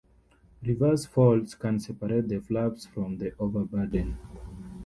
Reverse faults can separate the flaps from the overburden.